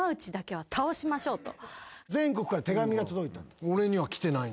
全国から手紙が届いた。